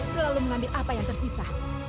selalu mengambil apa yang tersisa